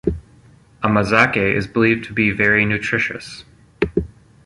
"Amazake" is believed to be very nutritious.